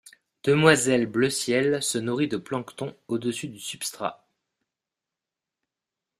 Demoiselle bleu-ciel se nourrit de plancton au-dessus du substrat.